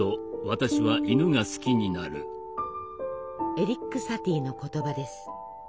エリック・サティの言葉です。